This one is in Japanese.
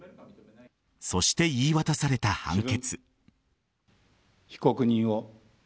そして言い渡された判決。